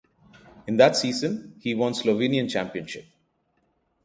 In that season he won Slovenian Championship.